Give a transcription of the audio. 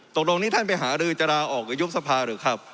ตกลงนี้ท่านไปหารือจะลาออกหรือยุบสภาหรือครับ